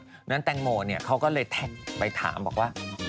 เพราะฉะนั้นแตงโมเขาก็เลยแท็กไปถามบอกว่า